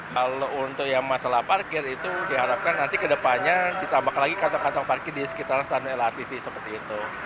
kalau untuk yang masalah parkir itu diharapkan nanti ke depannya ditambahkan lagi kantong kantong parkir di sekitar standar lrt sih seperti itu